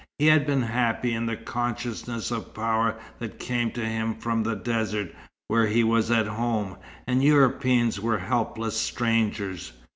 He had been happy in the consciousness of power that came to him from the desert, where he was at home, and Europeans were helpless strangers.